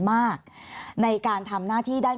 ทำไมรัฐต้องเอาเงินภาษีประชาชน